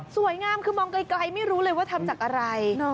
สวยงามคือมองไกลไม่รู้เลยว่าทำจากอะไร